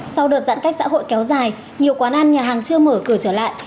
sau đợt giãn cách xã hội kéo dài nhiều quán ăn nhà hàng chưa mở cửa trở lại